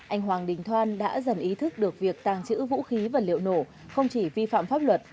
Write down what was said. anh hoàng đình thoan đã dần ý thức được việc tàng trữ vũ khí và liệu nổ không chỉ vi phạm pháp luật